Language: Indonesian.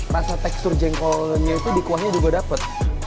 rasa tekstur jengkolnya itu di kuahnya juga dapat